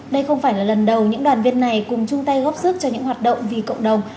đây không phải là lần đầu những đoàn viên này cùng chung tay góp sức cho những hoạt động vì cộng đồng